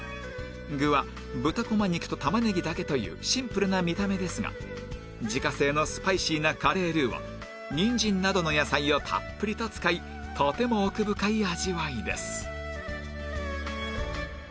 具は豚こま肉と玉ねぎだけというシンプルな見た目ですが自家製のスパイシーなカレールーをにんじんなどの野菜をたっぷりと使いとても奥深い味わいです